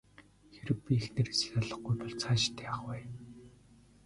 Хэрэв би эхнэрээсээ салахгүй бол цаашид яах вэ?